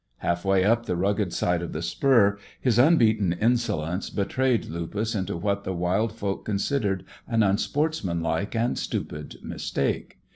Half way up the rugged side of the spur, his unbeaten insolence betrayed Lupus into what the wild folk considered an unsportsmanlike and stupid mistake.